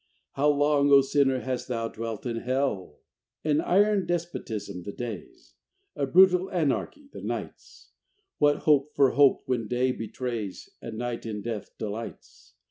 How long, O sinner, hast thou dwelt in Hell!" VII An iron despotism the day's: A brutal anarchy the night's: What hope for hope when day betrays, And night in death delights?